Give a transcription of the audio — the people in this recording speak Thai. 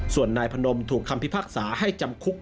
ส่วนนายพนมถูกคำพิพากษาให้จำคุก